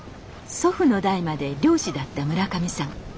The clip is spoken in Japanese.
祖父の代まで漁師だった村上さん。